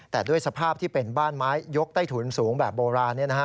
แต่ด้วยสภาพที่เป็นบ้านไม้ยกใต้ถุนสูงแบบโบราณ